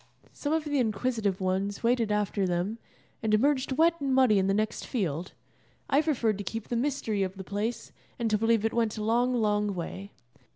Some of the inquisitive ones waded after them, and emerged wet and muddy in the next field. I preferred to keep the mystery of the place, and to believe it went a long, long way.